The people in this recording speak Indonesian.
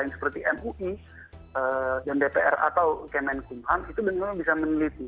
seperti mui dan dpr atau kemenkumham itu benar benar bisa meneliti